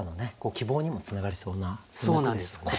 希望にもつながりそうなそんな句ですよね。